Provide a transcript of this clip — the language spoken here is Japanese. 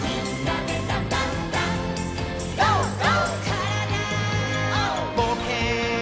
「からだぼうけん」